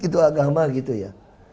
itu agama gitu ya